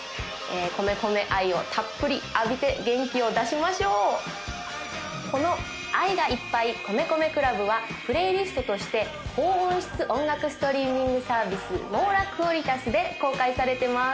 米米愛をたっぷり浴びて元気を出しましょうこの「愛がいっぱい！米米ＣＬＵＢ」はプレイリストとして高音質音楽ストリーミングサービスｍｏｒａｑｕａｌｉｔａｓで公開されてます